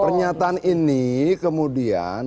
pernyataan ini kemudian